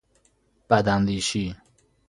بداندیشی